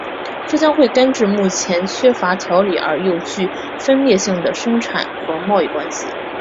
这将会根治目前缺乏条理而又具分裂性的生产和贸易关系。